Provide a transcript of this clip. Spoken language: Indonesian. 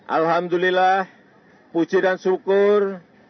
alhamdulillah puji dan syukur